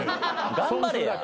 頑張れや。